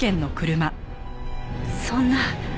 そんな。